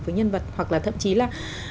với nhân vật hoặc là thậm chí là